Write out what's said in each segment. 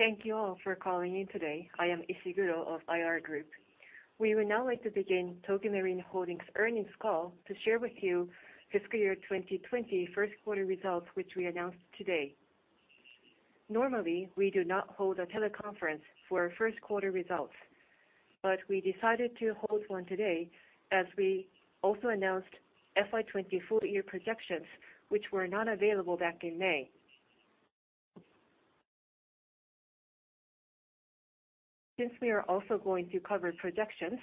Thank you all for calling in today. I am Ishiguro of IR Group. We would now like to begin Tokio Marine Holdings earnings call to share with you FY 2020 first quarter results, which we announced today. Normally, we do not hold a teleconference for our first quarter results, but we decided to hold one today as we also announced FY 2020 full-year projections, which were not available back in May. Since we are also going to cover projections,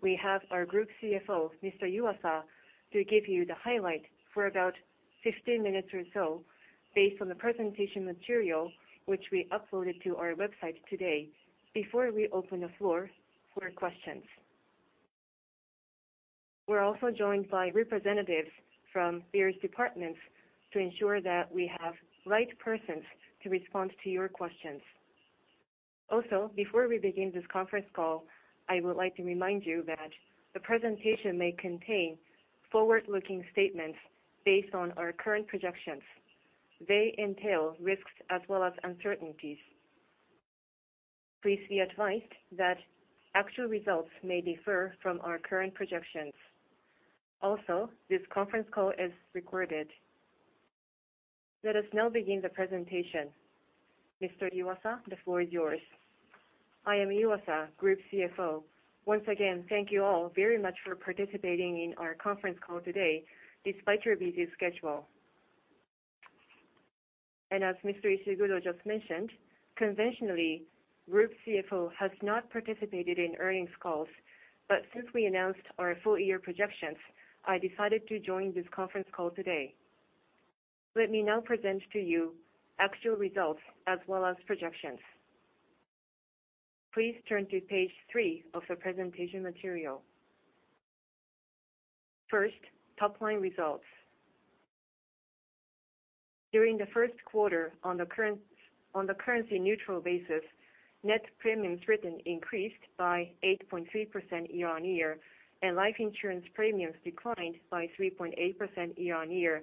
we have our Group CFO, Mr. Yuasa, to give you the highlight for about 15 minutes or so based on the presentation material which we uploaded to our website today, before we open the floor for questions. We're also joined by representatives from various departments to ensure that we have right persons to respond to your questions. Before we begin this conference call, I would like to remind you that the presentation may contain forward-looking statements based on our current projections. They entail risks as well as uncertainties. Please be advised that actual results may differ from our current projections. This conference call is recorded. Let us now begin the presentation. Mr. Yuasa, the floor is yours. I am Yuasa, Group CFO. Once again, thank you all very much for participating in our conference call today despite your busy schedule. As Mr. Ishiguro just mentioned, conventionally, Group CFO has not participated in earnings calls, but since we announced our full-year projections, I decided to join this conference call today. Let me now present to you actual results as well as projections. Please turn to page three of the presentation material. First, top-line results. During the first quarter on the currency-neutral basis, net premiums written increased by 8.3% year-on-year, and life insurance premiums declined by 3.8% year-on-year,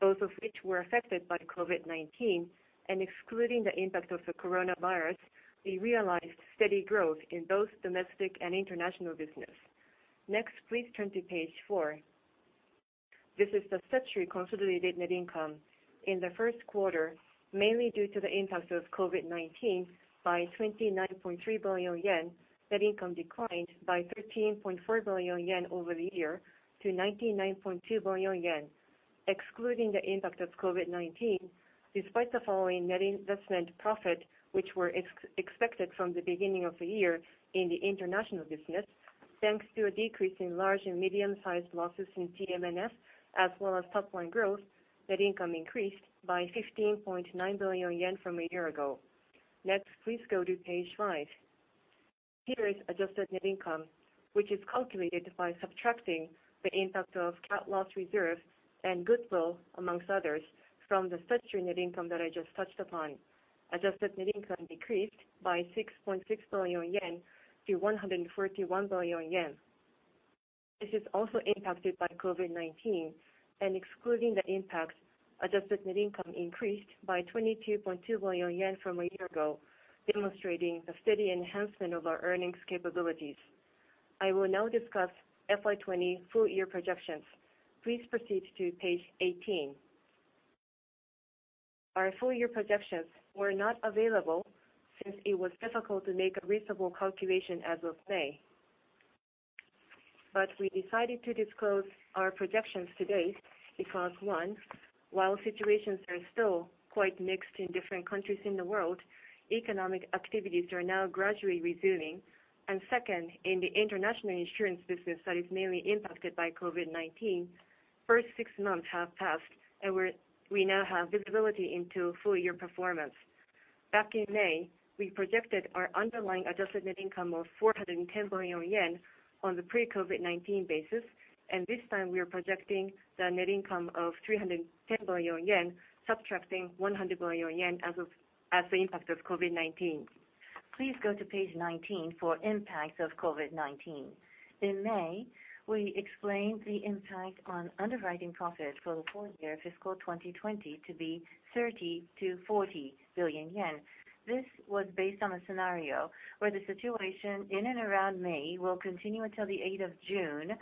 both of which were affected by COVID-19. Excluding the impact of the coronavirus, we realized steady growth in both domestic and international business. Next, please turn to page four. This is the statutory consolidated net income. In the first quarter, mainly due to the impacts of COVID-19 by 29.3 billion yen, net income declined by 13.4 billion yen over the year to 99.2 billion yen. Excluding the impact of COVID-19, despite the following net investment profit, which were expected from the beginning of the year in the international business, thanks to a decrease in large and medium-sized losses in TMNAS, as well as top-line growth, net income increased by 15.9 billion yen from a year ago. Next, please go to page five. Here is adjusted net income, which is calculated by subtracting the impact of cat loss reserve and goodwill, amongst others, from the statutory net income that I just touched upon. Adjusted net income decreased by 6.6 billion yen to 141 billion yen. This is also impacted by COVID-19, and excluding the impact, adjusted net income increased by 22.2 billion yen from a year ago, demonstrating the steady enhancement of our earnings capabilities. I will now discuss FY 2020 full-year projections. Please proceed to page 18. Our full-year projections were not available since it was difficult to make a reasonable calculation as of May. We decided to disclose our projections today because, one, while situations are still quite mixed in different countries in the world, economic activities are now gradually resuming. Second, in the international insurance business that is mainly impacted by COVID-19, first six months have passed, and we now have visibility into full-year performance. Back in May, we projected our underlying adjusted net income of 410 billion yen on the pre-COVID-19 basis, and this time we are projecting the net income of 310 billion yen, subtracting 100 billion yen as the impact of COVID-19. Please go to page 19 for impacts of COVID-19. In May, we explained the impact on underwriting profit for the full-year fiscal 2020 to be 30 billion to 40 billion yen. This was based on a scenario where the situation in and around May will continue until the 8th of June,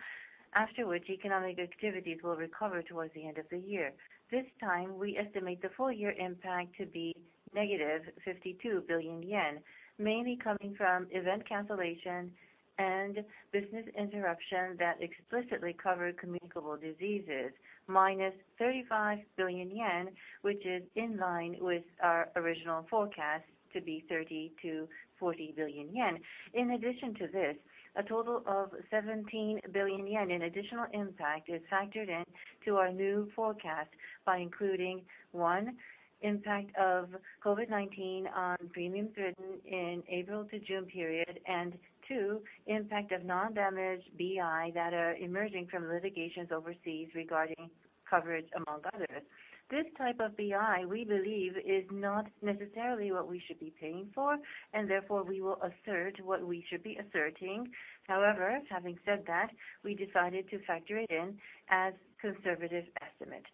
after which economic activities will recover towards the end of the year. This time, we estimate the full-year impact to be negative 52 billion yen, mainly coming from event cancellation and business interruption that explicitly cover communicable diseases, minus 35 billion yen, which is in line with our original forecast to be 30 billion to 40 billion yen. In addition to this, a total of 17 billion yen in additional impact is factored in to our new forecast by including, 1, impact of COVID-19 on premiums written in April to June period, and 2, impact of non-damage BI that are emerging from litigations overseas regarding Coverage, among others. This type of BI, we believe, is not necessarily what we should be paying for, and therefore, we will assert what we should be asserting. However, having said that, we decided to factor it in as conservative estimate.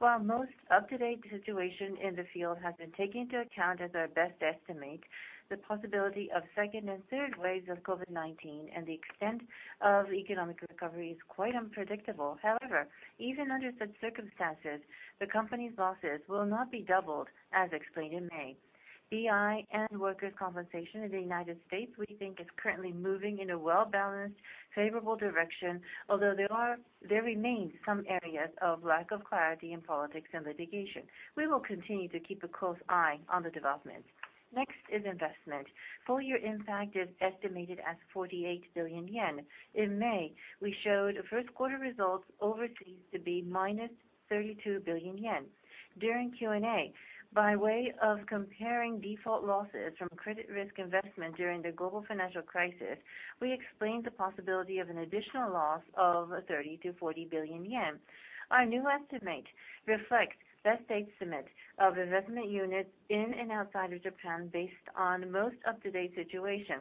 While most up-to-date situation in the field has been taken into account as our best estimate, the possibility of second and third waves of COVID-19 and the extent of economic recovery is quite unpredictable. However, even under such circumstances, the company's losses will not be doubled, as explained in May. BI and workers compensation in the U.S., we think, is currently moving in a well-balanced, favorable direction. Although there remains some areas of lack of clarity in politics and litigation. We will continue to keep a close eye on the developments. Next is investment. Full-year impact is estimated at 48 billion yen. In May, we showed first quarter results overseas to be minus 32 billion yen. During Q&A, by way of comparing default losses from credit risk investment during the global financial crisis, we explained the possibility of an additional loss of 30 billion to 40 billion yen. Our new estimate reflects best estimate of investment units in and outside of Japan, based on most up-to-date situation.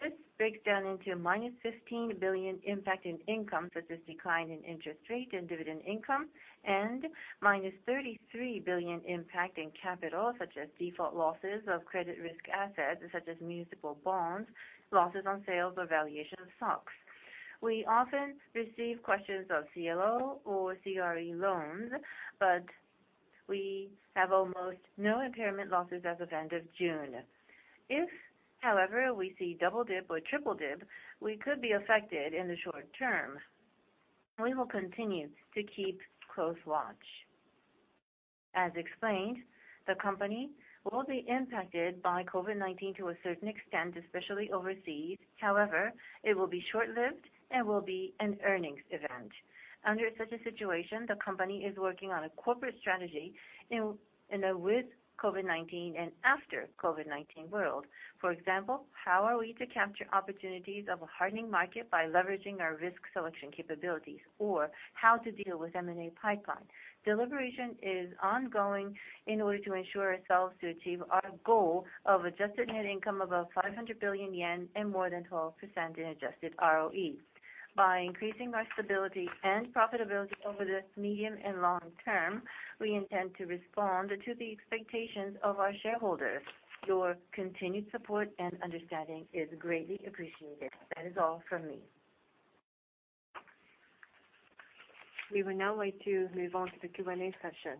This breaks down into a minus 15 billion impact in income, such as decline in interest rate and dividend income, and minus 33 billion impact in capital, such as default losses of credit risk assets, such as municipal bonds, losses on sales or valuation of stocks. We often receive questions of CLO or CRE loans, but we have almost no impairment losses as of end of June. If, however, we see double dip or triple dip, we could be affected in the short term. We will continue to keep close watch. As explained, the company will be impacted by COVID-19 to a certain extent, especially overseas. However, it will be short-lived and will be an earnings event. Under such a situation, the company is working on a corporate strategy in a with-COVID-19 and after-COVID-19 world. For example, how are we to capture opportunities of a hardening market by leveraging our risk selection capabilities? Or how to deal with M&A pipeline. Deliberation is ongoing in order to ensure ourselves to achieve our goal of adjusted net income above 500 billion yen and more than 12% in adjusted ROE. By increasing our stability and profitability over this medium and long term, we intend to respond to the expectations of our shareholders. Your continued support and understanding is greatly appreciated. That is all from me. We would now like to move on to the Q&A session.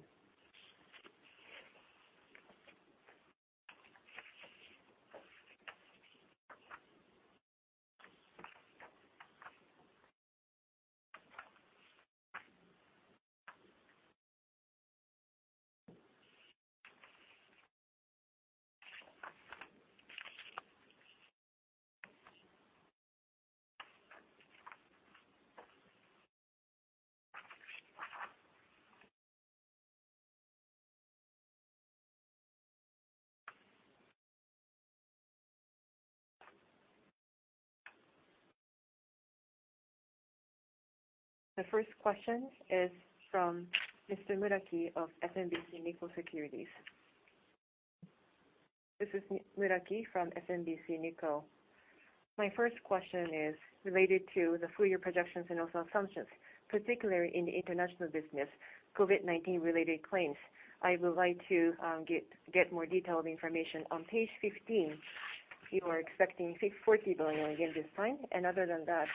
The first question is from Mr. Muraki of SMBC Nikko Securities. This is Masao from SMBC Nikko. My first question is related to the full year projections and also assumptions, particularly in the international business COVID-19 related claims. I would like to get more detailed information. On page 15, you are expecting 40 billion this time, and other than that,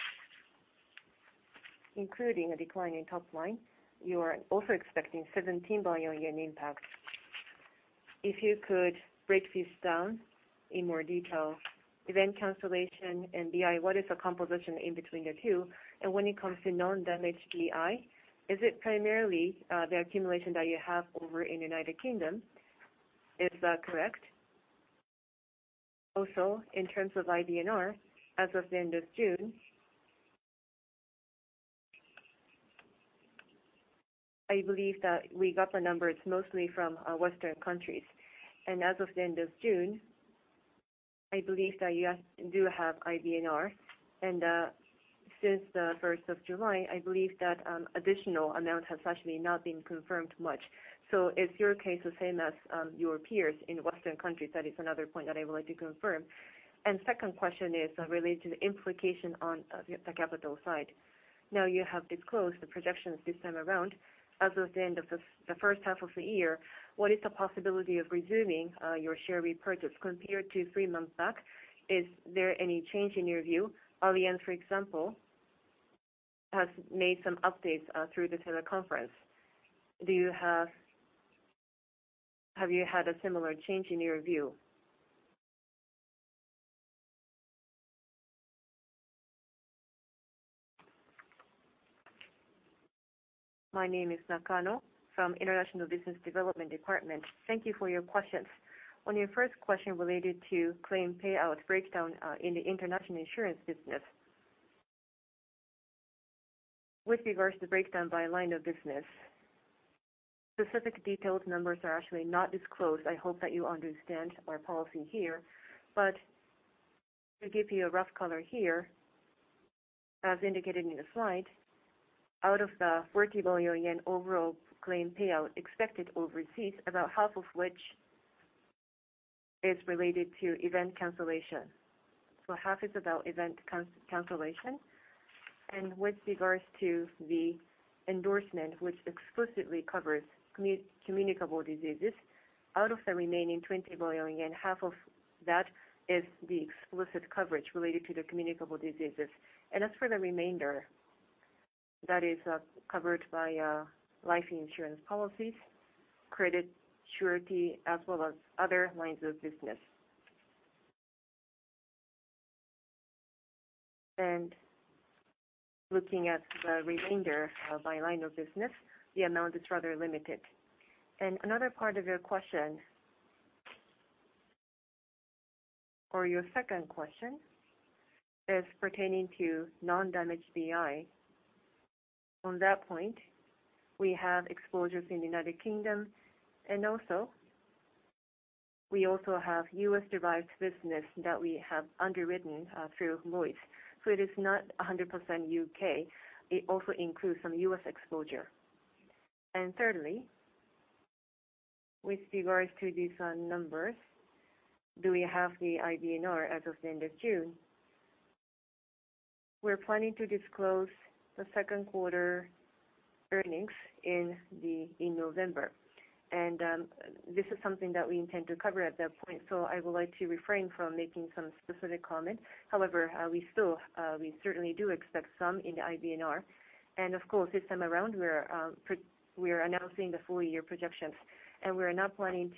including a decline in top line, you are also expecting 17 billion yen impact. If you could break this down in more detail. Event cancellation and BI, what is the composition in between the two? And when it comes to non-damage BI, is it primarily the accumulation that you have over in the U.K.? Is that correct? Also, in terms of IBNR, as of the end of June, I believe that we got the numbers mostly from western countries. As of the end of June, I believe that you do have IBNR, and since the 1st of July, I believe that additional amount has actually not been confirmed much. Is your case the same as your peers in western countries? That is another point that I would like to confirm. Second question is related to the implication on the capital side. Now you have disclosed the projections this time around. As of the end of the first half of the year, what is the possibility of resuming your share repurchase compared to three months back? Is there any change in your view? Allianz, for example, has made some updates through this teleconference. Have you had a similar change in your view? My name is Nakano from International Business Development Department. Thank you for your questions. On your first question related to claim payout breakdown in the international insurance business. With regards to breakdown by line of business, specific detailed numbers are actually not disclosed. I hope that you understand our policy here. To give you a rough color here, as indicated in the slide, out of the 40 billion yen overall claim payout expected overseas, about half of which is related to event cancellation. Half is about event cancellation. With regards to the endorsement, which exclusively covers communicable diseases, out of the remaining 20 billion, half of that is the explicit coverage related to the communicable diseases. As for the remainder, that is covered by life insurance policies, credit surety, as well as other lines of business. Looking at the remainder by line of business, the amount is rather limited. Another part of your question, or your second question, is pertaining to non-damage BI. On that point, we have exposures in the U.K., and also we also have U.S.-derived business that we have underwritten through MOIS. It is not 100% U.K., it also includes some U.S. exposure. Thirdly, with regards to these numbers, do we have the IBNR as of the end of June? We are planning to disclose the second quarter earnings in November. This is something that we intend to cover at that point. I would like to refrain from making some specific comments. However, we certainly do expect some in the IBNR. Of course, this time around, we are announcing the full-year projections, and we are now planning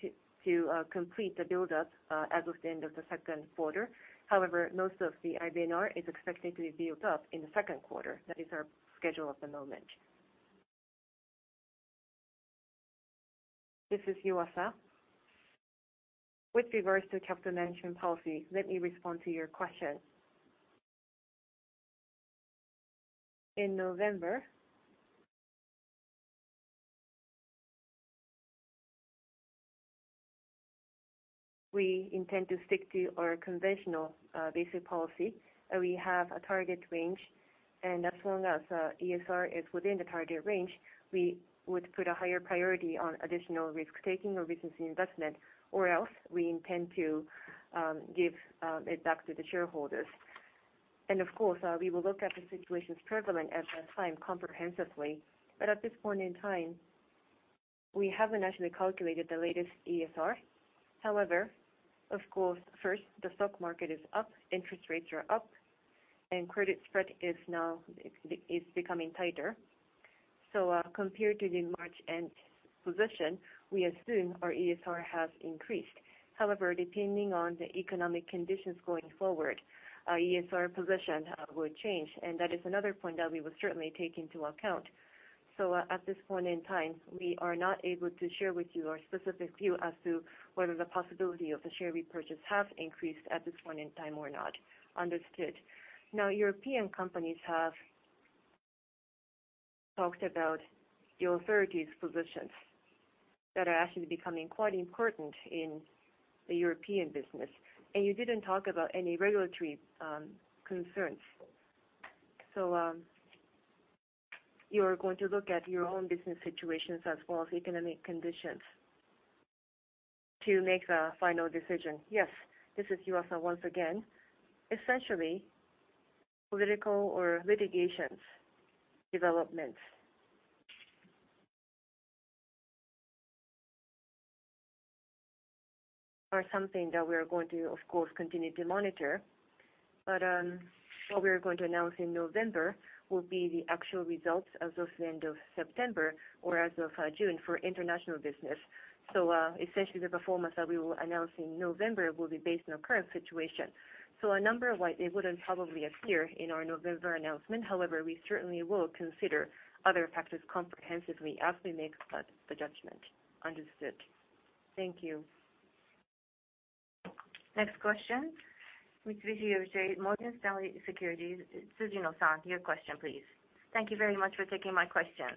to complete the build-up as of the end of the second quarter. However, most of the IBNR is expected to be built up in the second quarter. That is our schedule at the moment. This is Yuasa. With regards to capital management policy, let me respond to your question. In November, we intend to stick to our conventional basic policy. We have a target range, as long as ESR is within the target range, we would put a higher priority on additional risk-taking or business investment, or else we intend to give it back to the shareholders. Of course, we will look at the situations prevalent at that time comprehensively. At this point in time, we haven't actually calculated the latest ESR. However, of course, first, the stock market is up, interest rates are up, and credit spread is becoming tighter. Compared to the March-end position, we assume our ESR has increased. However, depending on the economic conditions going forward, our ESR position would change. That is another point that we would certainly take into account. At this point in time, we are not able to share with you our specific view as to whether the possibility of the share repurchase has increased at this point in time or not. Understood. European companies have talked about the authorities' positions that are actually becoming quite important in the European business. You didn't talk about any regulatory concerns. You are going to look at your own business situations as well as economic conditions to make the final decision. Yes. This is Yuasa once again. Political or litigations developments are something that we are going to, of course, continue to monitor. What we are going to announce in November will be the actual results as of the end of September or as of June for international business. The performance that we will announce in November will be based on current situation. A number like it wouldn't probably appear in our November announcement. However, we certainly will consider other factors comprehensively as we make the judgment. Understood. Thank you. Next question. Mitsubishi UFJ Morgan Stanley Securities, Tsuji No-san, your question, please. Thank you very much for taking my question.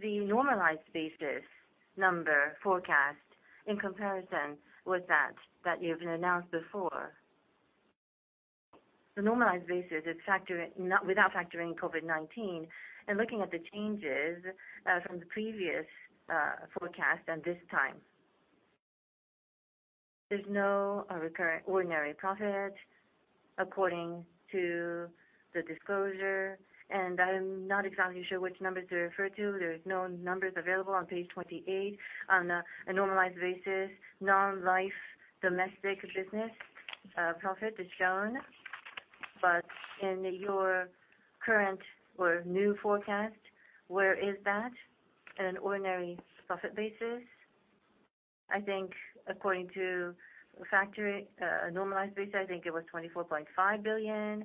The normalized basis number forecast in comparison with that that you've announced before. The normalized basis without factoring COVID-19 and looking at the changes from the previous forecast and this time. There's no recurrent ordinary profit according to the disclosure, and I'm not exactly sure which numbers to refer to. There is no numbers available on page 28 on a normalized basis, non-life domestic business profit is shown. In your current or new forecast, where is that in an ordinary profit basis? I think according to normalized basis, I think it was 24.5 billion.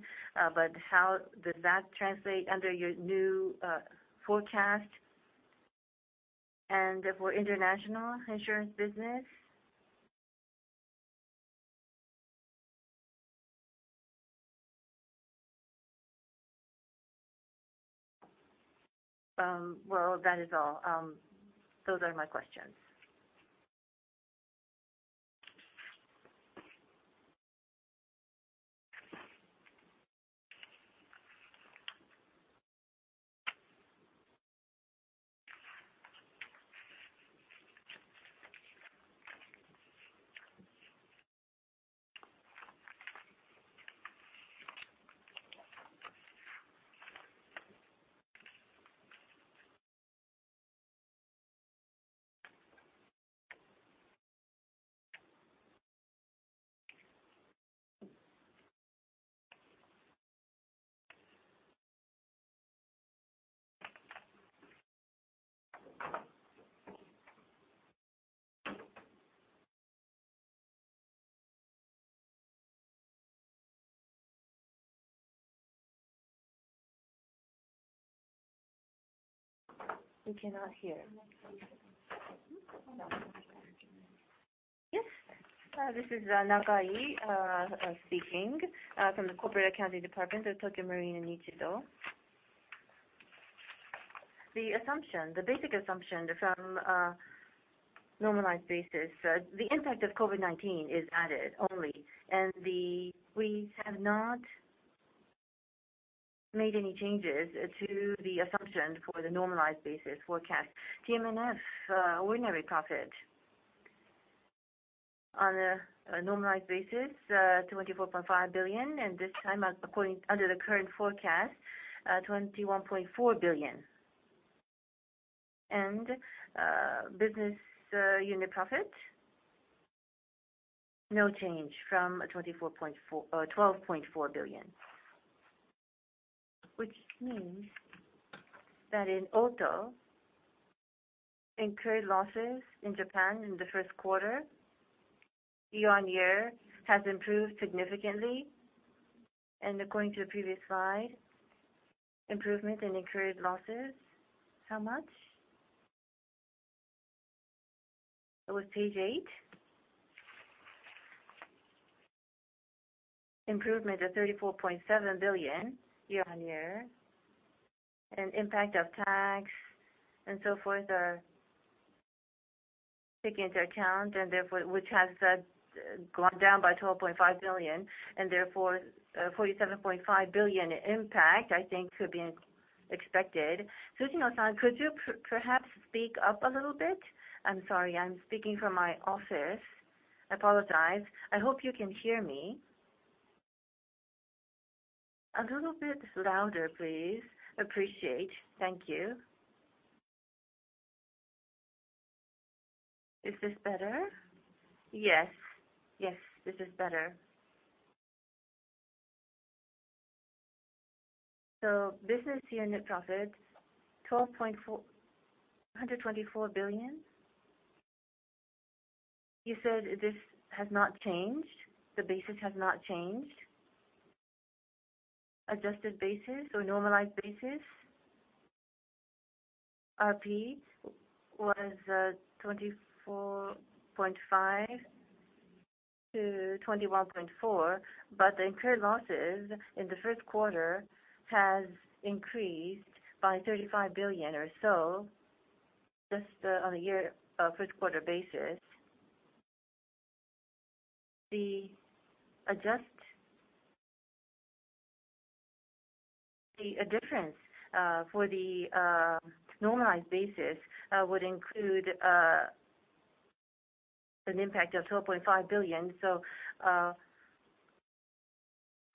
How does that translate under your new forecast and for international insurance business? That is all. Those are my questions. We cannot hear. Yes. This is Nagai speaking from the Corporate Accounting Department of Tokio Marine & Nichido. The basic assumption from a normalized basis, the impact of COVID-19 is added only, we have not made any changes to the assumption for the normalized basis forecast. TMNF ordinary profit on a normalized basis, 24.5 billion, this time, under the current forecast, 21.4 billion. Business unit profit, no change from 12.4 billion. Which means that in auto, incurred losses in Japan in the first quarter year-on-year has improved significantly. According to the previous slide, improvement in incurred losses, how much? It was page eight. Improvement of JPY 34.7 billion year-on-year, impact of tax and so forth are taken into account, which has gone down by 12.5 billion, therefore 47.5 billion impact, I think, could be expected. Tsujinou, could you perhaps speak up a little bit? I'm sorry. I'm speaking from my office. I apologize. I hope you can hear me. A little bit louder, please. Appreciate it. Thank you. Is this better? Yes. This is better. Business unit profit, 124 billion. You said this has not changed. The basis has not changed. Adjusted basis or normalized basis, RP was 24.5 billion to 21.4 billion, but the incurred losses in the first quarter has increased by 35 billion or so, just on a first quarter basis. The difference for the normalized basis would include an impact of 12.5 billion.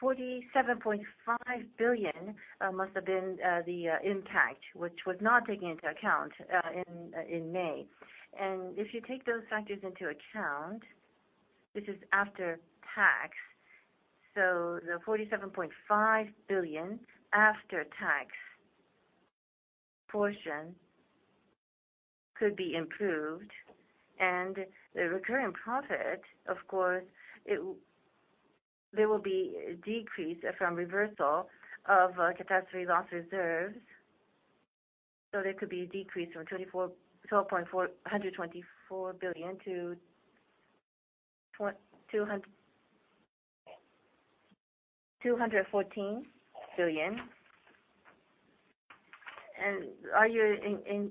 47.5 billion must have been the impact, which was not taken into account in May. If you take those factors into account, this is after tax, so the 47.5 billion after-tax portion could be improved. The recurring profit, of course, there will be a decrease from reversal of catastrophe loss reserves. There could be a decrease from 124 billion to 214 billion. Are you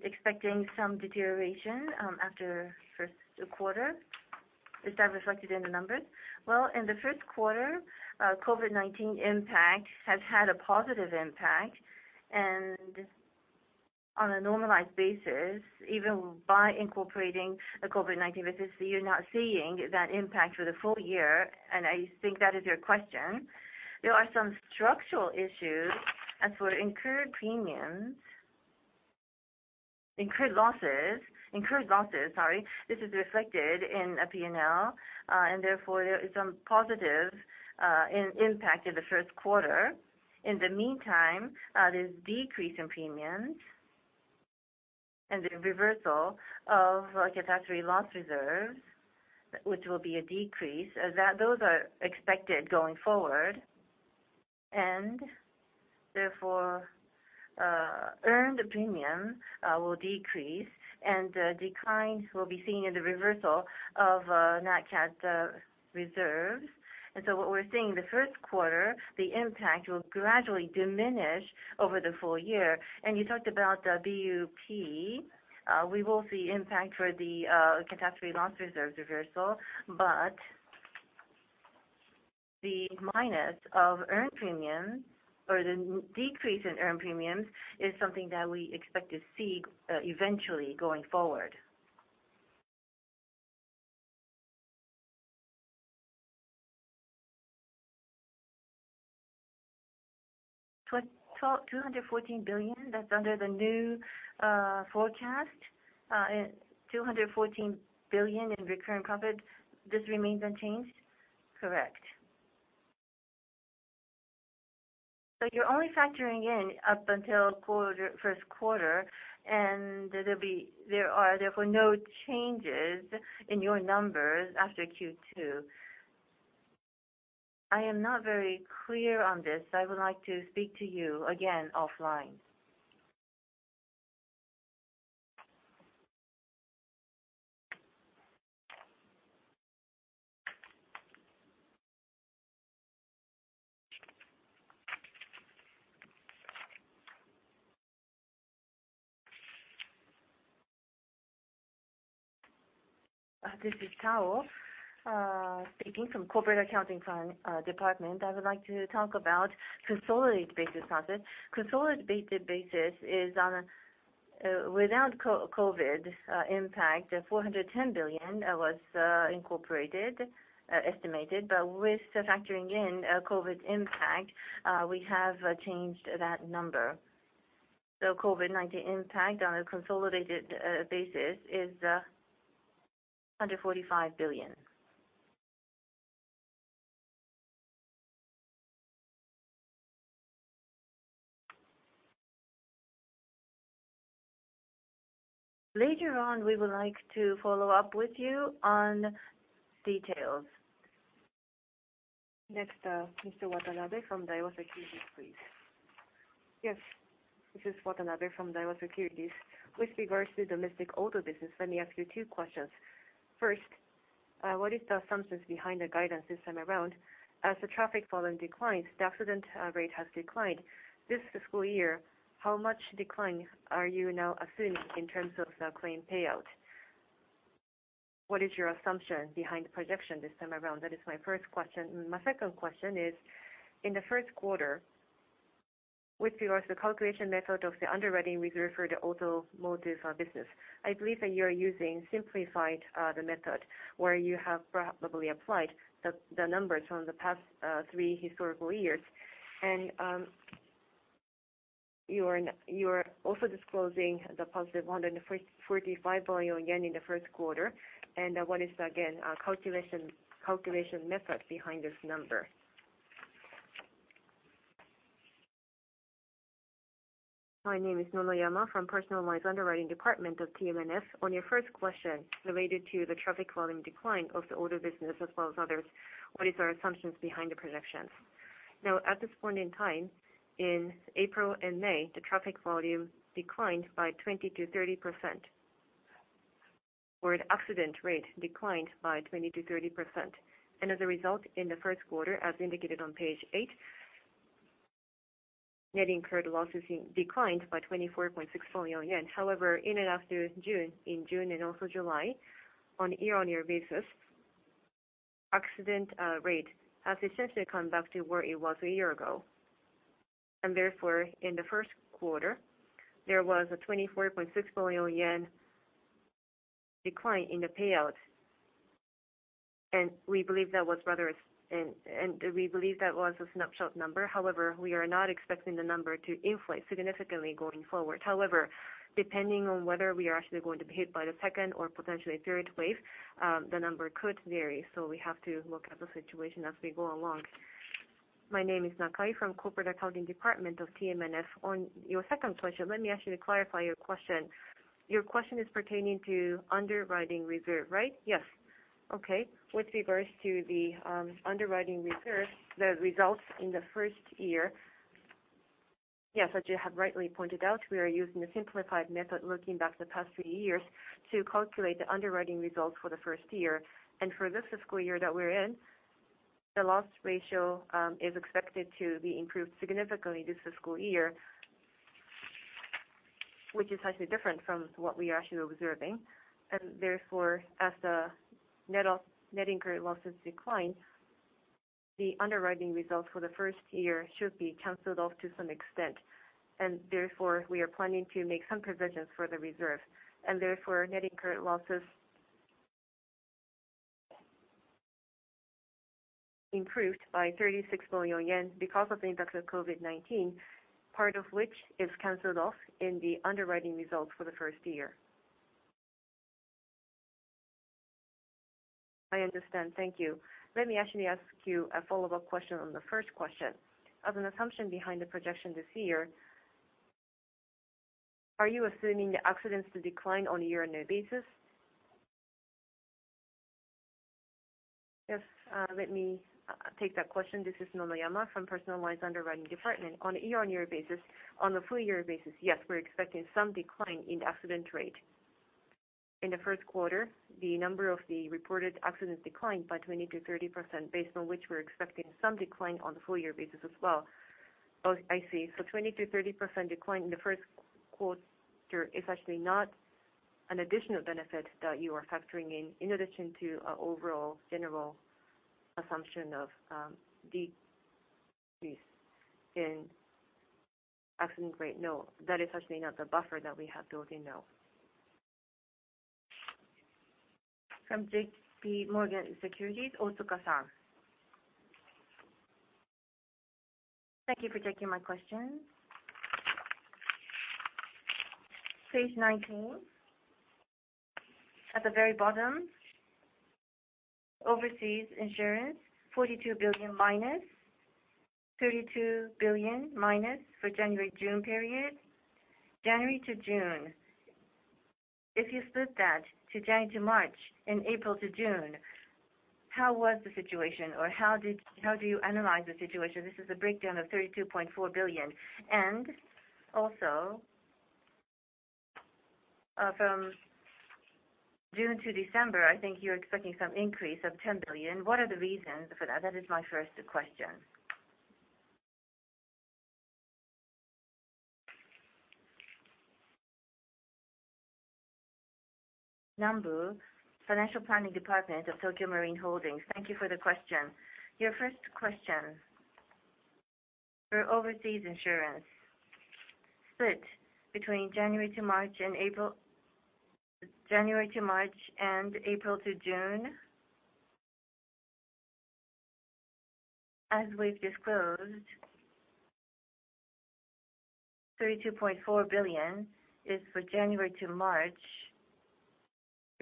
expecting some deterioration after first quarter? Is that reflected in the numbers? Well, in the first quarter, COVID-19 impact has had a positive impact. On a normalized basis, even by incorporating the COVID-19, you're not seeing that impact for the full year, and I think that is your question. There are some structural issues. As for incurred losses, this is reflected in P&L, therefore, there is some positive impact in the first quarter. In the meantime, this decrease in premiums and the reversal of catastrophe loss reserves, which will be a decrease, those are expected going forward. Therefore, earned premium will decrease, and the declines will be seen in the reversal of nat cat reserves. What we're seeing in the first quarter, the impact will gradually diminish over the full year. You talked about the BUP. We will see impact for the catastrophe loss reserve reversal, but the minus of earned premium or the decrease in earned premiums is something that we expect to see eventually going forward. 214 billion, that's under the new forecast. 214 billion in recurrent profit, this remains unchanged? Correct. You're only factoring in up until first quarter, and there are therefore no changes in your numbers after Q2. I am not very clear on this. I would like to speak to you again offline. This is Tao speaking from Corporate Accounting Department. I would like to talk about consolidated basis. Consolidated basis is on a, without COVID impact, 410 billion was estimated, with factoring in COVID impact, we have changed that number. COVID-19 impact on a consolidated basis is JPY 145 billion. Later on, we would like to follow up with you on details. Next, Mr. Kazuki from Daiwa Securities, please. Yes. This is Kazuki from Daiwa Securities. With regards to domestic auto business, let me ask you two questions. First, what is the assumptions behind the guidance this time around? As the traffic volume declines, the accident rate has declined. This fiscal year, how much decline are you now assuming in terms of claim payout? What is your assumption behind the projection this time around? That is my first question. My second question is, in the first quarter, with regards to the calculation method of the underwriting reserve for the automotive business, I believe that you're using simplified method, where you have probably applied the numbers from the past three historical years. You are also disclosing the positive 145 billion yen in the first quarter. What is, again, calculation method behind this number? My name is Nonoyama from Personal Lines Underwriting Department of TMGF. On your first question related to the traffic volume decline of the auto business as well as others, what is our assumptions behind the projections? At this point in time, in April and May, the traffic volume declined by 20%-30%, or the accident rate declined by 20%-30%. As a result, in the first quarter, as indicated on page eight, net incurred losses declined by 24.6 billion yen. However, in and after June, in June and also July, on a year-on-year basis, accident rate has essentially come back to where it was a year ago. Therefore, in the first quarter, there was a 24.6 billion yen decline in the payout, and we believe that was a snapshot number. We are not expecting the number to inflate significantly going forward. However, depending on whether we are actually going to be hit by the second or potentially third wave, the number could vary. We have to look at the situation as we go along. My name is Nakai from Corporate Accounting Department of TMGF. On your second question, let me ask you to clarify your question. Your question is pertaining to underwriting reserve, right? Yes. Okay. With regards to the underwriting reserve, the results in the first year, yes, as you have rightly pointed out, we are using a simplified method looking back the past three years to calculate the underwriting results for the first year. For this fiscal year that we're in, the loss ratio is expected to be improved significantly this fiscal year, which is slightly different from what we are actually observing. Therefore, as the net incurred losses decline, the underwriting results for the first year should be canceled off to some extent. Therefore, we are planning to make some provisions for the reserve. Therefore, net incurred losses improved by 36 billion yen because of the impact of COVID-19, part of which is canceled off in the underwriting results for the first year. I understand. Thank you. Let me actually ask you a follow-up question on the first question. As an assumption behind the projection this year, are you assuming the accidents to decline on a year-on-year basis? Yes. Let me take that question. This is Nonoyama from Personal Lines Underwriting Department. On a year-on-year basis, on a full year basis, yes, we're expecting some decline in the accident rate. In the first quarter, the number of the reported accidents declined by 20%-30%, based on which we're expecting some decline on the full year basis as well. Oh, I see. 20%-30% decline in the first quarter is actually not an additional benefit that you are factoring in addition to an overall general assumption of decrease in accident rate? No, that is actually not the buffer that we have built in, no. From J.P. Morgan Securities, Wataru-san. Thank you for taking my question. Page 19, at the very bottom, overseas insurance, 42 billion minus 32 billion minus for January-June period. January-June, if you split that to January-March and April-June, how was the situation or how do you analyze the situation? This is a breakdown of 32.4 billion. Also, from June-December, I think you're expecting some increase of 10 billion. What are the reasons for that? That is my first question. Nanbu, Financial Planning Department of Tokio Marine Holdings. Thank you for the question. Your first question, for overseas insurance split between January-March and April-June. As we've disclosed, 32.4 billion is for January-March,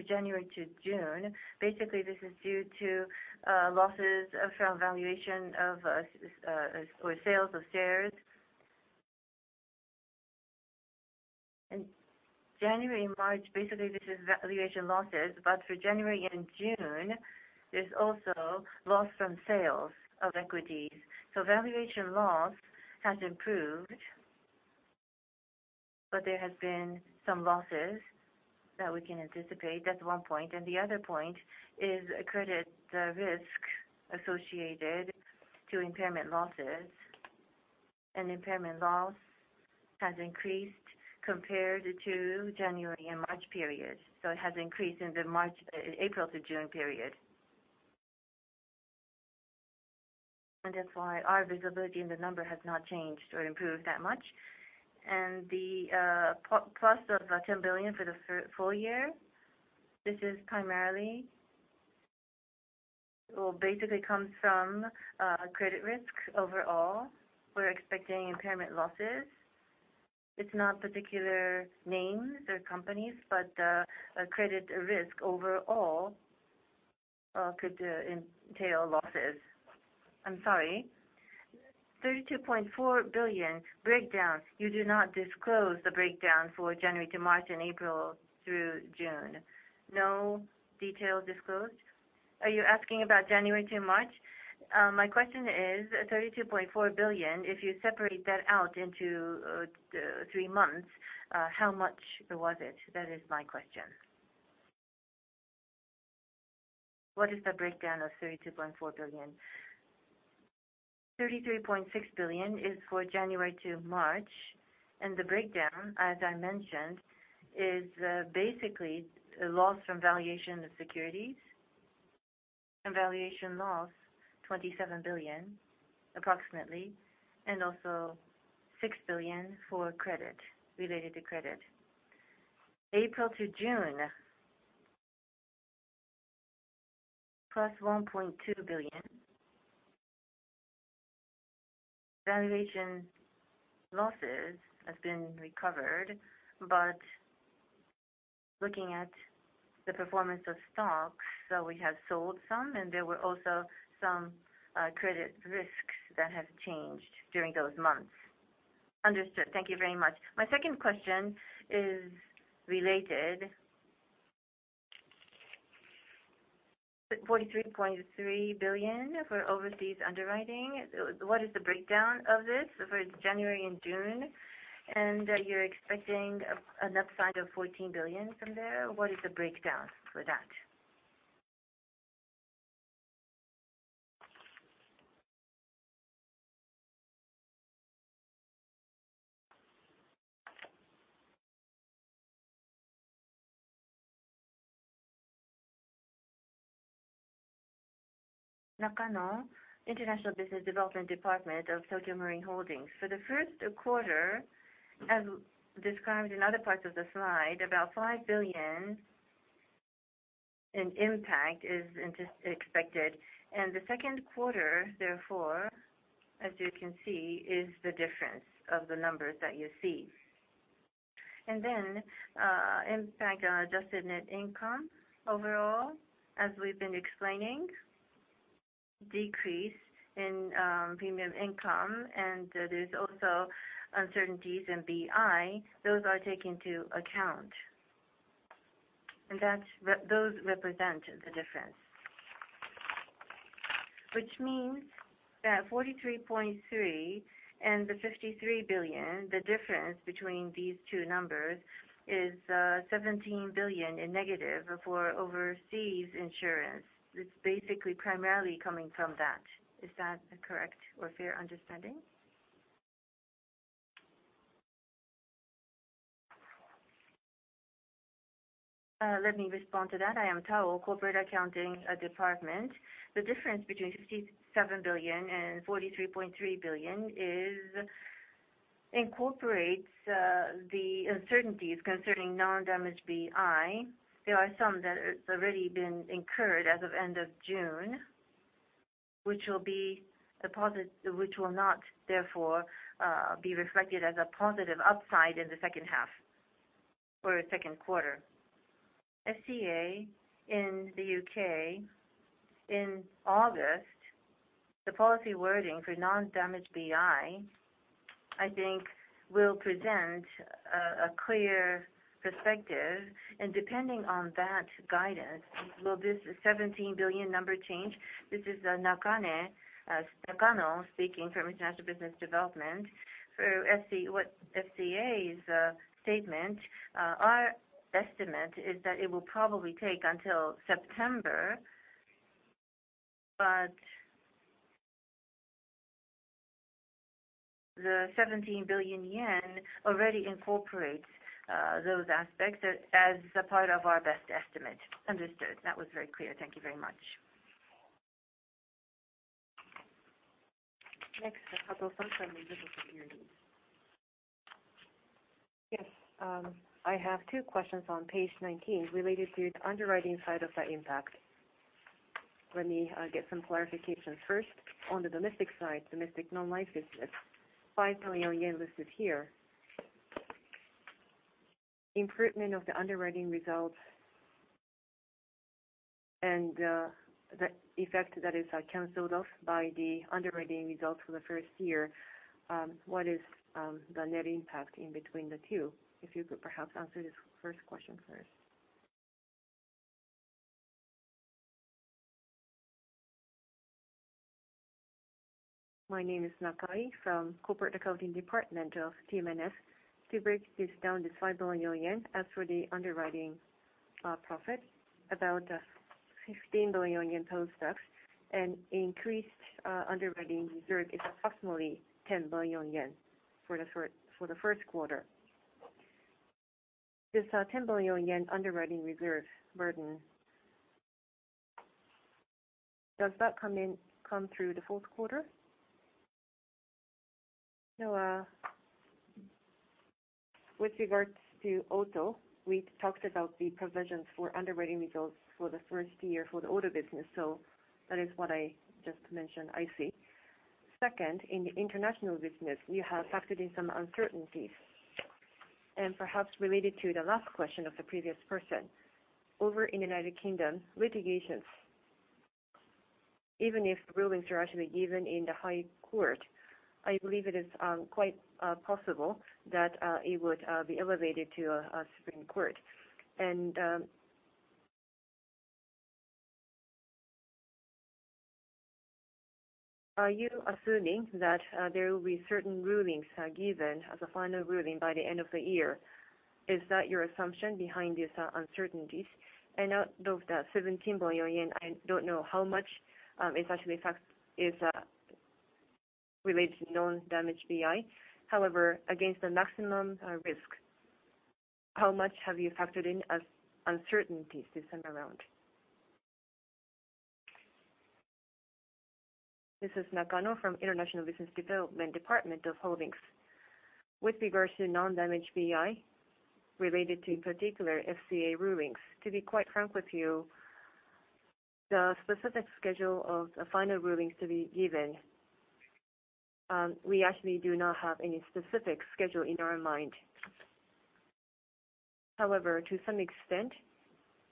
for January-June. Basically, this is due to losses from valuation of or sales of shares. In January-March, basically, this is valuation losses. But for January-June, there's also loss from sales of equities. Valuation loss has improved, but there has been some losses that we can anticipate. That's one point, the other point is a credit risk associated to impairment losses. An impairment loss has increased compared to January-March periods. It has increased in the April-June period. That's why our visibility in the number has not changed or improved that much. The plus of 10 billion for the full year, this primarily will basically come from credit risk overall. We're expecting impairment losses. It's not particular names or companies, but a credit risk overall could entail losses. I'm sorry, 32.4 billion breakdown. You do not disclose the breakdown for January to March and April through June. No detail disclosed? Are you asking about January to March? My question is 32.4 billion, if you separate that out into three months, how much was it? That is my question. What is the breakdown of 32.4 billion? 33.6 billion is for January to March. The breakdown, as I mentioned, is basically a loss from valuation of securities. Valuation loss, 27 billion approximately, and also 6 billion for credit, related to credit. April to June, plus JPY 1.2 billion. Valuation losses have been recovered, but looking at the performance of stocks, so we have sold some, and there were also some credit risks that have changed during those months. Understood. Thank you very much. My second question is related. 43.3 billion for overseas underwriting. What is the breakdown of this for January and June? You're expecting an upside of 14 billion from there. What is the breakdown for that? Nakano, International Business Development Department of Tokio Marine Holdings. For the first quarter, as described in other parts of the slide, about 5 billion in impact is expected. The second quarter, therefore, as you can see, is the difference of the numbers that you see. Decrease in premium income. There's also uncertainties in BI. Those are taken into account. Those represent the difference. Which means that 43.3 and the 53 billion, the difference between these two numbers is 17 billion in negative for overseas insurance. It's basically primarily coming from that. Is that a correct or fair understanding? Let me respond to that. I am Tao, Corporate Accounting Department. The difference between 57 billion and 43.3 billion incorporates the uncertainties concerning non-damage BI. There are some that it's already been incurred as of end of June, which will not, therefore, be reflected as a positive upside in the second half or second quarter. FCA in the U.K. in August, the policy wording for non-damage BI, I think will present a clear perspective and depending on that guidance, will this 17 billion number change? This is Nakano speaking from International Business Development. For FCA's statement, our estimate is that it will probably take until September, but the 17 billion yen already incorporates those aspects as a part of our best estimate. Understood. That was very clear. Thank you very much. Next, Kato-san from Nikko Securities. Yes. I have two questions on page 19 related to the underwriting side of the impact. Let me get some clarification. First, on the domestic side, domestic non-life business, 5 billion yen listed here. Improvement of the underwriting results and the effect that is canceled off by the underwriting results for the first year, what is the net impact in between the two? If you could perhaps answer this first question first. My name is Nakai from Corporate Accounting Department of TMNAS. To break this down to 5 billion yen, as for the underwriting profit, about 15 billion yen post-tax and increased underwriting reserve is approximately 10 billion yen for the first quarter. This 10 billion yen underwriting reserve burden, does that come through the fourth quarter? No. With regards to auto, we talked about the provisions for underwriting results for the first year for the auto business. That is what I just mentioned, I see. Second, in the international business, you have factored in some uncertainties. Perhaps related to the last question of the previous person. Over in U.K., litigations, even if rulings are actually given in the High Court, I believe it is quite possible that it would be elevated to a Supreme Court. Are you assuming that there will be certain rulings given as a final ruling by the end of the year? Is that your assumption behind these uncertainties? Out of that 17 billion yen, I don't know how much is related to non-damage BI. However, against the maximum risk, how much have you factored in as uncertainties this time around? This is Nakano from International Business Development Department of Holdings. With regards to non-damage BI, related to particular FCA rulings, to be quite frank with you, the specific schedule of the final rulings to be given, we actually do not have any specific schedule in our mind. However, to some extent,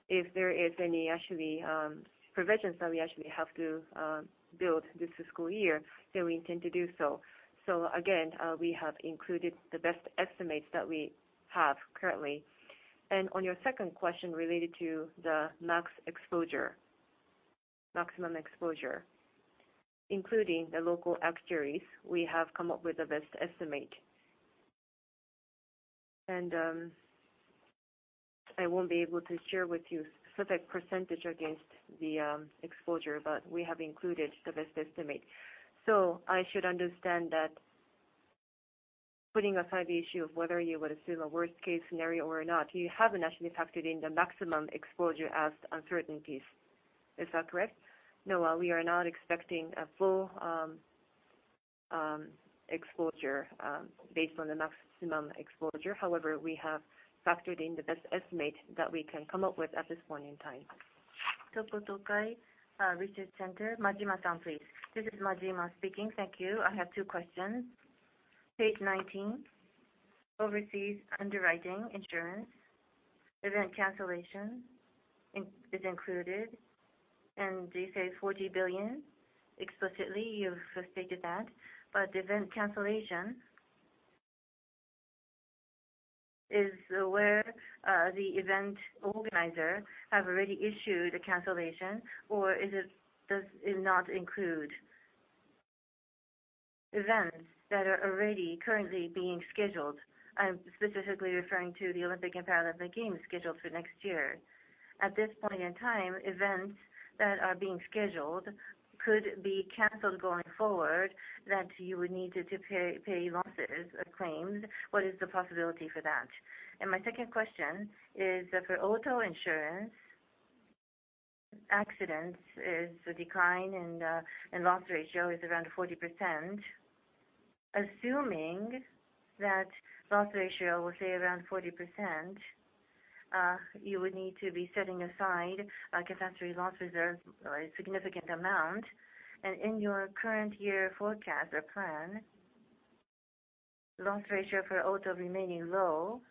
if there is any provisions that we actually have to build this fiscal year, then we intend to do so. Again, we have included the best estimates that we have currently. On your second question related to the maximum exposure, including the local actuaries, we have come up with the best estimate. I won't be able to share with you specific percentage against the exposure, but we have included the best estimate. I should understand that putting aside the issue of whether you would assume a worst case scenario or not, you haven't actually factored in the maximum exposure as uncertainties. Is that correct? No, we are not expecting a full exposure based on the maximum exposure. However, we have factored in the best estimate that we can come up with at this point in time. Tokai Tokyo Research Center, Tatsuo-san, please. This is Tatsuo speaking. Thank you. I have two questions. Page 19 Overseas underwriting insurance, event cancellation is included. You say 40 billion explicitly, you've stated that. Event cancellation is where the event organizer have already issued a cancellation, or does it not include events that are already currently being scheduled? I'm specifically referring to the Olympic and Paralympic Games scheduled for next year. At this point in time, events that are being scheduled could be canceled going forward, that you would need to pay losses or claims. What is the possibility for that? My second question is, for auto insurance, accidents is the decline in loss ratio is around 40%. Assuming that loss ratio, we'll say around 40%, you would need to be setting aside a catastrophe loss reserve, a significant amount. In your current year forecast or plan, loss ratio for auto remaining low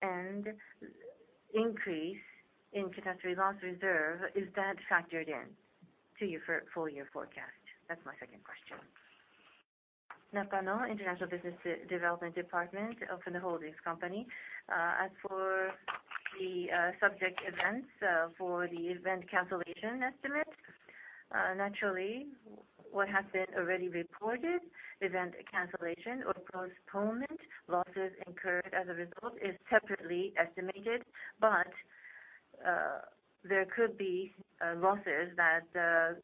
and increase in catastrophe loss reserve, is that factored in to your full-year forecast? That's my second question. Nakano, International Business Development Department from the Holdings company. As for the subject events for the event cancellation estimate, naturally, what has been already reported, event cancellation or postponement, losses incurred as a result is separately estimated. There could be losses that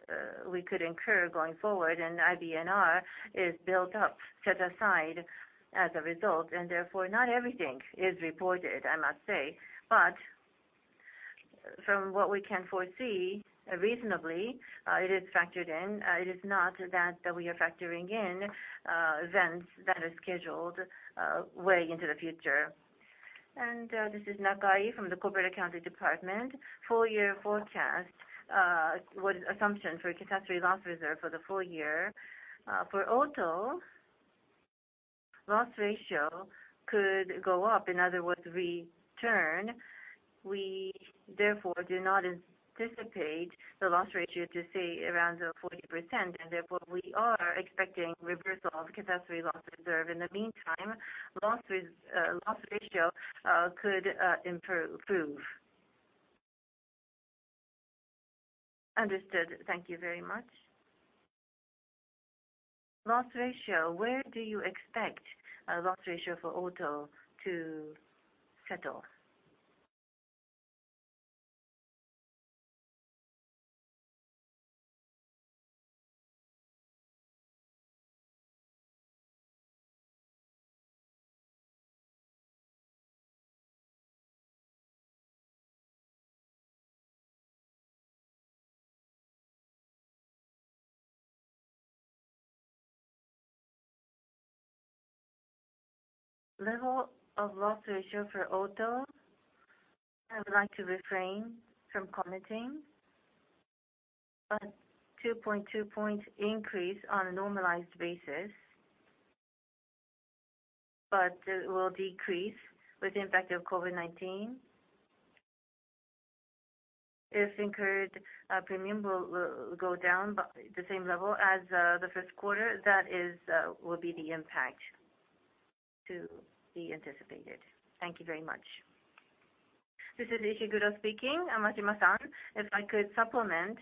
we could incur going forward. IBNR is built up, set aside as a result. Not everything is reported, I must say. From what we can foresee, reasonably, it is factored in. It is not that we are factoring in events that are scheduled way into the future. This is Nakai from the Corporate Accounting Department. Full-year forecast, what is assumption for catastrophe loss reserve for the full year? For auto, loss ratio could go up. In other words, return. We, therefore, do not anticipate the loss ratio to stay around the 40%. Therefore, we are expecting reversal of catastrophe loss reserve. In the meantime, loss ratio could improve. Understood. Thank you very much. Loss ratio, where do you expect a loss ratio for auto to settle? Level of loss ratio for auto, I would like to refrain from commenting. 2.2 points increase on a normalized basis, but it will decrease with the impact of COVID-19. If incurred premium will go down the same level as the first quarter, that will be the impact to be anticipated. Thank you very much. This is Ishiguro speaking. Tatsuo-san, if I could supplement.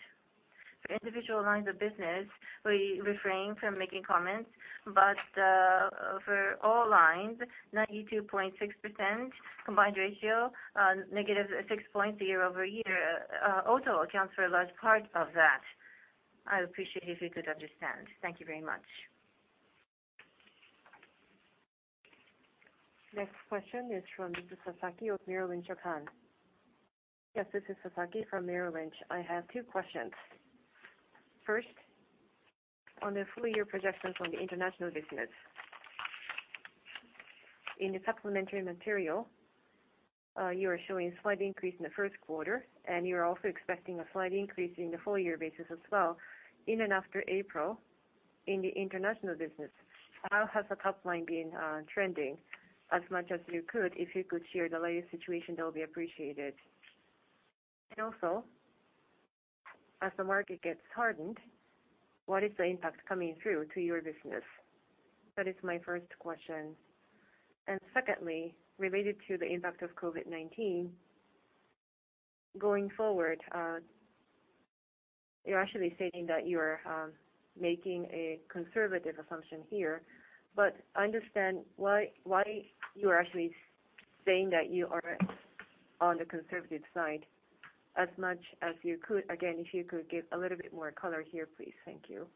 For individual lines of business, we refrain from making comments, but for all lines, 92.6% combined ratio, negative six points year-over-year, auto accounts for a large part of that. I would appreciate if you could understand. Thank you very much. Next question is from Mizu Sasaki of Merrill Lynch Japan. Yes, this is Sasaki from Merrill Lynch. I have two questions. First, on the full-year projections on the international business. In the supplementary material, you are showing a slight increase in the first quarter, and you are also expecting a slight increase in the full-year basis as well in and after April in the international business. How has the top line been trending? As much as you could, if you could share the latest situation, that would be appreciated. Also, as the market gets hardened, what is the impact coming through to your business? That is my first question. Secondly, related to the impact of COVID-19, going forward, you're actually stating that you are making a conservative assumption here, but I understand why you are actually saying that you are on the conservative side. As much as you could, again, if you could give a little bit more color here, please. Thank you.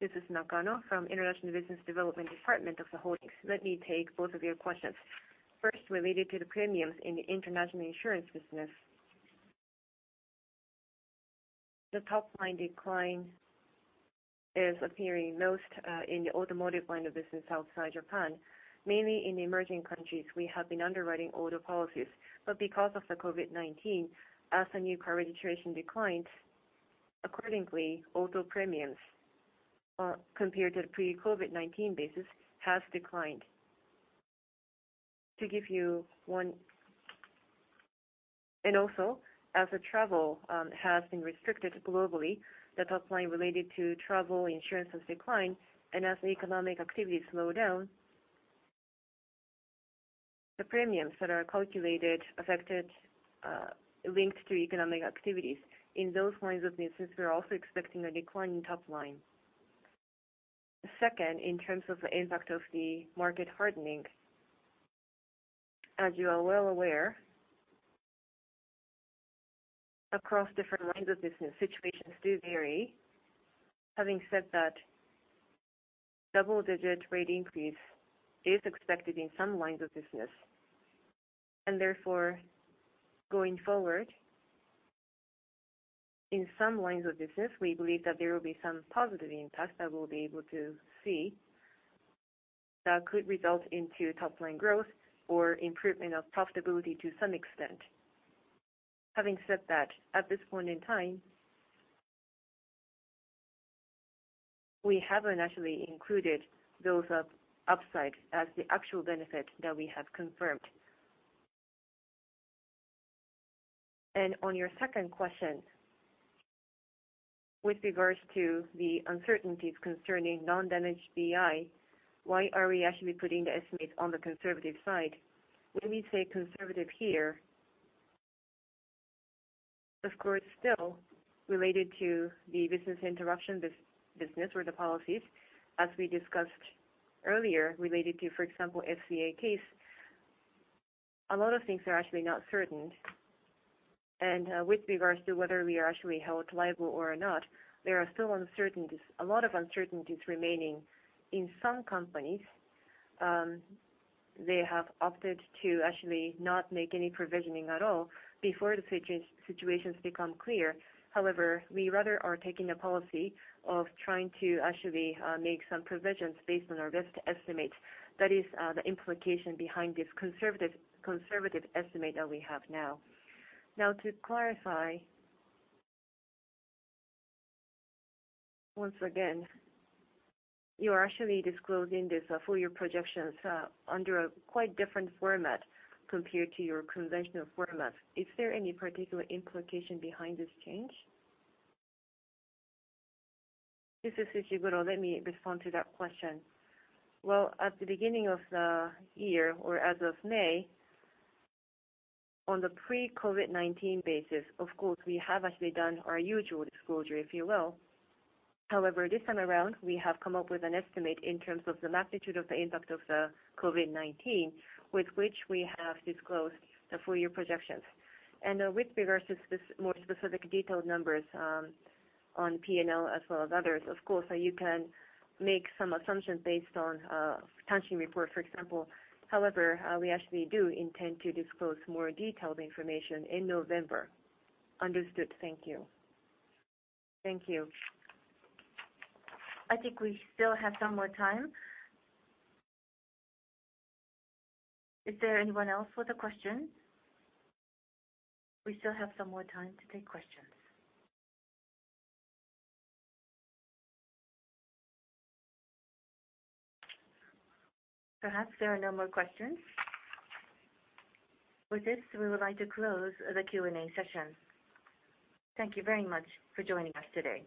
This is Nakano from International Business Development Department of Tokio Marine Holdings. Let me take both of your questions. First, related to the premiums in the international insurance business. The top-line decline is appearing most in the automotive line of business outside Japan. Mainly in emerging countries, we have been underwriting auto policies. Because of the COVID-19, as the new car registration declined Accordingly, auto premiums, compared to the pre-COVID-19 basis, have declined. Also, as travel has been restricted globally, the top line related to travel insurance has declined, and as economic activities slow down, the premiums that are calculated, affected, linked to economic activities, in those lines of business, we are also expecting a decline in top line. Second, in terms of the impact of the market hardening, as you are well aware, across different lines of business, situations do vary. Having said that, double-digit rate increase is expected in some lines of business. Therefore, going forward, in some lines of business, we believe that there will be some positive impact that we'll be able to see that could result into top-line growth or improvement of profitability to some extent. Having said that, at this point in time, we haven't actually included those upside as the actual benefit that we have confirmed. On your second question, with regards to the uncertainties concerning non-damage BI, why are we actually putting the estimates on the conservative side? When we say conservative here, of course, still related to the business interruption business or the policies, as we discussed earlier, related to, for example, FCA case, a lot of things are actually not certain. With regards to whether we are actually held liable or not, there are still a lot of uncertainties remaining. In some companies, they have opted to actually not make any provisioning at all before the situations become clear. However, we rather are taking a policy of trying to actually make some provisions based on our best estimates. That is the implication behind this conservative estimate that we have now. To clarify, once again, you are actually disclosing these full-year projections under a quite different format compared to your conventional format. Is there any particular implication behind this change? This is Shichiguro. Let me respond to that question. Well, at the beginning of the year or as of May, on the pre-COVID-19 basis, of course, we have actually done our usual disclosure, if you will. However, this time around, we have come up with an estimate in terms of the magnitude of the impact of the COVID-19, with which we have disclosed the full-year projections. With regards to more specific detailed numbers on P&L as well as others, of course, you can make some assumptions based on a financial report, for example. However, we actually do intend to disclose more detailed information in November. Understood. Thank you. Thank you. I think we still have some more time. Is there anyone else with a question? We still have some more time to take questions. Perhaps there are no more questions. With this, we would like to close the Q&A session. Thank you very much for joining us today.